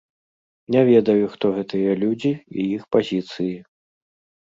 Не ведаю, хто гэтыя людзі і іх пазіцыі.